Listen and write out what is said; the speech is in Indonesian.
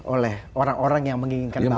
oleh orang orang yang menginginkan bapak tadi